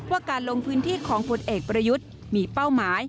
การลงพื้นที่ของผลเอกประยุทธ์มีเป้าหมาย